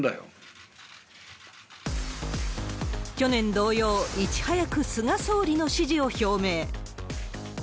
去年同様、いち早く菅総理の支持を表明。